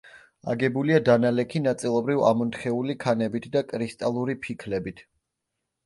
აგებულია დანალექი, ნაწილობრივ ამონთხეული ქანებით და კრისტალური ფიქლებით.